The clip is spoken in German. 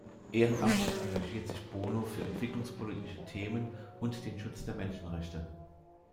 Ehrenamtlich engagiert sich Bono für entwicklungspolitische Themen und den Schutz der Menschenrechte.